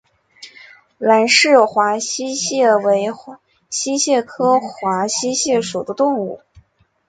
兰氏华溪蟹为溪蟹科华溪蟹属的动物。